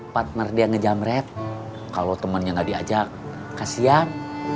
partner dia ngejamret kalau temannya nggak diajak kasian